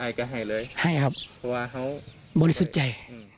ให้ก็ให้เลยให้ครับเพราะว่าเขาบริสุทธิ์ใจ